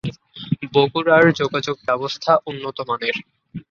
বগুড়ার যোগাযোগ ব্যবস্থা উন্নত মানের।